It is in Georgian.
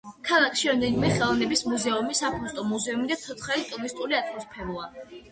ქალაქში რამდენიმე ხელოვნების მუზეუმი, საფოსტო მუზეუმი და ცოცხალი ტურისტული ატმოსფეროა.